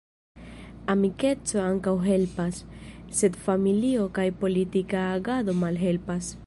Amikeco ankaŭ helpas, sed familio kaj politika agado malhelpas.